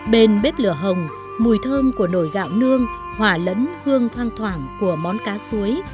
bên bếp lửa hồng mùi thơm của nồi gạo nương hỏa lẫn hương thoang thoảng của món cá suối